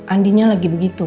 andinya lagi begitu